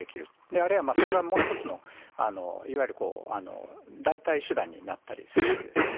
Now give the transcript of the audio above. あるいはそれがもう一つのいわゆるこう、代替手段になったりするわけですよね。